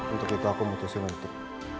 untuk itu aku mutusin untuk